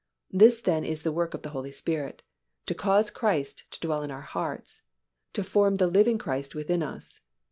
This then is the work of the Holy Spirit, to cause Christ to dwell in our hearts, to form the living Christ within us.